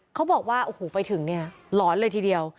เขาบอกว่าโอ้โหไปถึงเนี่ยหลอนเลยทีเดียว